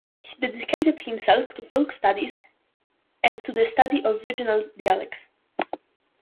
He dedicated himself to folk studies and to the study of regional dialects.